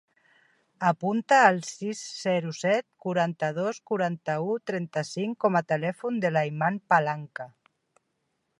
Apunta el sis, zero, set, quaranta-dos, quaranta-u, trenta-cinc com a telèfon de l'Ayman Palanca.